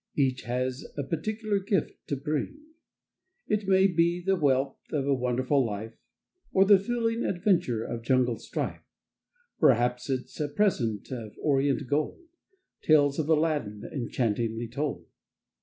Each has a particular gift to bring. It may be the wealth Of a wonderful life, Or the thrilling adventure Of Jungle strife. Perhaps it's a present Of orient gold, Tales of Aladdin Enchantingly told.